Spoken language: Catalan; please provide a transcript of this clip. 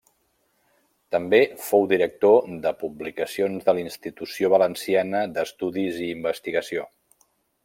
També fou director de publicacions de la Institució Valenciana d'Estudis i Investigació.